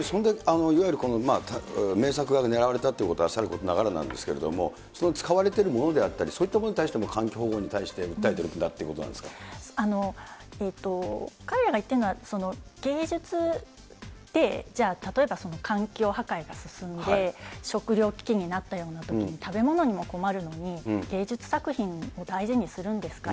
いわゆるそれだけ名作が狙われたということは去ることながらなんですけれども、使われているものであったり、そういったものに対しても環境保護に対して訴えてるんだというこ彼らが言っているのは、芸術で、じゃあ例えば環境破壊が進んで、食料危機になったようなときに、食べ物にも困るのに、芸術作品を大事にするんですか？